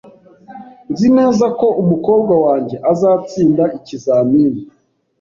Nzi neza ko umukobwa wanjye azatsinda ikizamini .